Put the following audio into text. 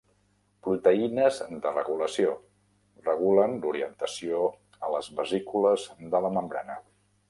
Proteïnes de regulació: regulen l'orientació a les vesícules de la membrana.